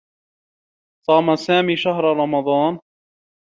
صام سامي شهر رمضان.